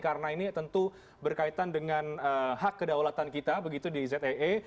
karena ini tentu berkaitan dengan hak kedaulatan kita begitu di zee